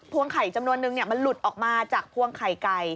พวงไข่จำนวนหนึ่งเนี่ยมันหลุดออกมาจากพวงไข่ไก่